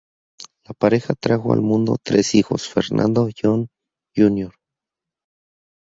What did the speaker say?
La pareja trajo al mundo tres hijos: Fernando, John Jr.